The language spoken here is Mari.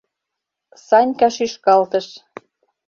— Санька шӱшкалтыш.